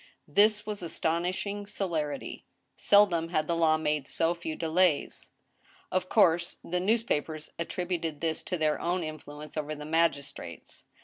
This was astonishing celerity. Seldom had the law made so few delays. Of course, the newspapers attributed this to their own influence over the magistrates.